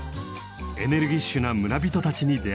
エネルギッシュな村人たちに出会います。